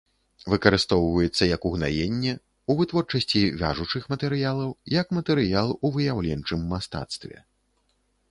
Выкарыстоўваецца як угнаенне, у вытворчасці вяжучых матэрыялаў, як матэрыял у выяўленчым мастацтве.